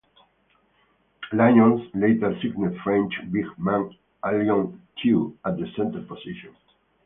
Lions later signed French big man Alioune Tew at the center position.